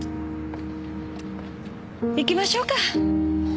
行きましょうか。